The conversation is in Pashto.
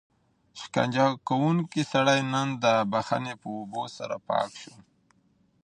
شکنجه کوونکی سړی نن د بښنې په اوبو سره پاک شو.